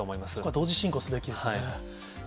同時進行すべきですね。